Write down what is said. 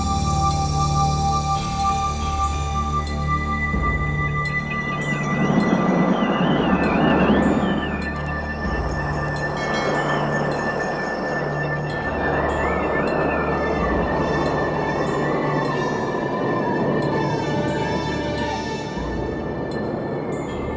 di jalan jalan men